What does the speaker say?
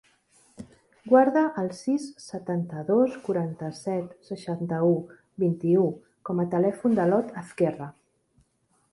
Guarda el sis, setanta-dos, quaranta-set, seixanta-u, vint-i-u com a telèfon de l'Ot Ezquerra.